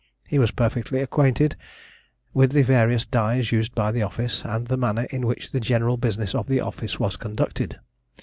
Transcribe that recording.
He was perfectly acquainted with the various dies used by the office, and the manner in which the general business of the office was conducted.